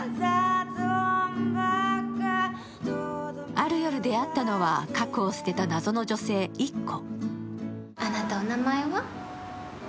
ある夜、出会ったのは過去を捨てた謎の女性、イッコ。